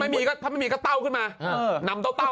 ถ้ามันกายไม่มีก็ต้าวขึ้นมานำเต่า